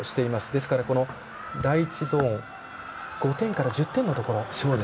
ですから、第１ゾーン５点から１０点のところ。